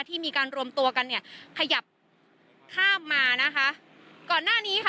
ที่มีการรวมตัวกันเนี่ยขยับข้ามมานะคะก่อนหน้านี้ค่ะ